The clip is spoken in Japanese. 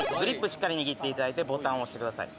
しっかり握っていただいてボタンを押してください